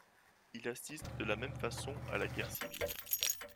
Il assiste de la même façon à la guerre civile.